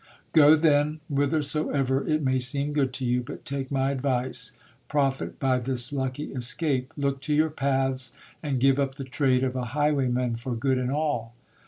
Go. then, whithersoever it may seem good to you. But take my advice ; profit by this lucky escape. Look to your paths, and give up the trade of a high wayman for good and all.